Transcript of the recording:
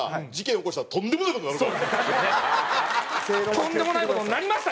とんでもない事になりましたしね。